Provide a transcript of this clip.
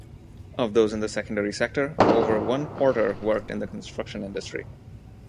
Of those in the secondary sector, over one-quarter worked in the construction industry.